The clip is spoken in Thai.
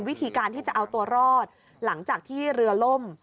วิธีการที่จะเอาตัวรอดหลังจากที่เรือล่ม